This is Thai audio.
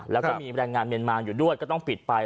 แล้วก็มีแรงงานเมียนมาอยู่ด้วยก็ต้องปิดไป